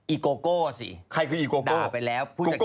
อีโกโก้สิด่าไปแล้วผู้จัดการใครคืออีโกโก้